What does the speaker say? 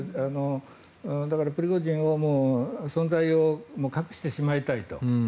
だからプリゴジンの存在を隠してしまいたいと。